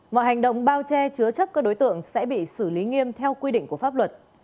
mọi hành động bao che chứa chấp các đối tượng sẽ bị xử lý nghiêm theo quy định của pháp luật